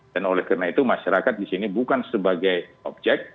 dan oleh karena itu masyarakat di sini bukan sebagai objek